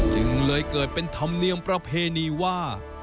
จึงเลยเกิดเป็นธรรมเนียมประเพณีว่า